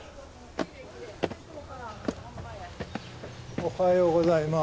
おはようございます。